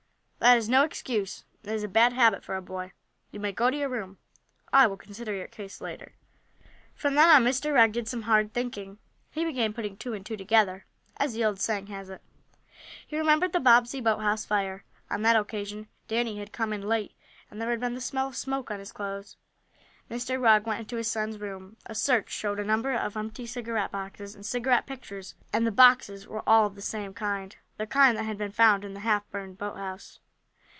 "That is no excuse. It is a bad habit for a boy. You may go to your room. I will consider your case later." From then on Mr. Rugg did some hard thinking. He began "putting two and two together" as the old saying has it. He remembered the Bobbsey boathouse fire. On that occasion Danny had come in late, and there had been the smell of smoke on his clothes. Mr. Rugg went to his son's room. A search showed a number of empty cigarette boxes, and cigarette pictures, and the boxes were all of the same kind the kind that had been found in the halfburned boathouse.